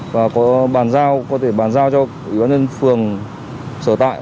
và có bàn giao có thể bàn giao cho ủy ban nhân phường sở tại